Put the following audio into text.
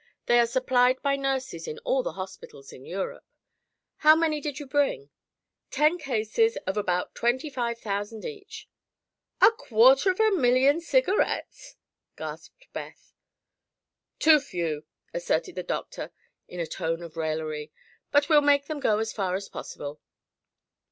They are supplied by nurses in all the hospitals in Europe. How many did you bring?" "Ten cases of about twenty five thousand each." "A quarter of a million cigarettes!" gasped Beth. "Too few," asserted the doctor in a tone of raillery, "but we'll make them go as far as possible.